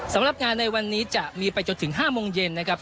สำหรับงานในวันนี้จะมีไปจนถึง๕โมงเย็นนะครับ